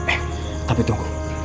eh tapi tunggu